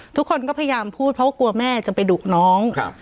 ทุกคนก็พยายามพูดเพราะว่ากลัวแม่จะไปดุน้อง